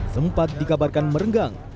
sempat dikabarkan merenggang